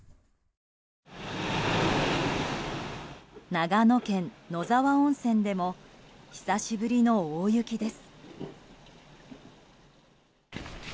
長野県野沢温泉でも久しぶりの大雪です。